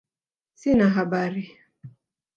Sina habari